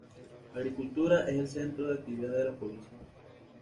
La agricultura es el centro de actividad de la población.